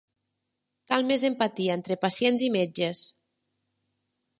Cal més empatia entre pacients i metges.